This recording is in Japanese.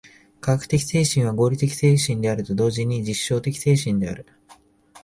科学的精神は合理的精神であると同時に実証的精神である。